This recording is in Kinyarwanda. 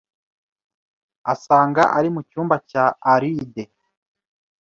asanga ari mu cyumba cya Alide.